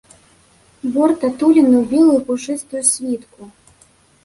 Бор атулены ў белую пушыстую світку.